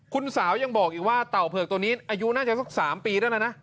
คุณสาวยังบอกอีกว่าเต่าเผือกตัวนี้อายุน่าจะสัก๓ปีได้แล้วนะ